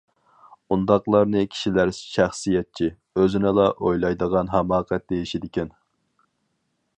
ئۇنداقلارنى كىشىلەر شەخسىيەتچى، ئۆزىنىلا ئويلايدىغان ھاماقەت دېيىشىدىكەن.